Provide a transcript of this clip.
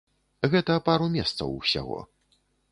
Гэта пару месцаў усяго.